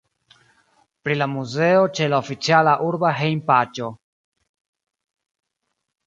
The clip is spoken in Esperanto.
Pri la muzeo ĉe la oficiala urba hejmpaĝo.